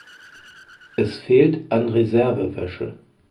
Es fehlt an Reservewäsche.